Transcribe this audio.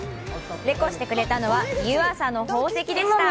レコしてくれたのは、湯浅の宝石でした。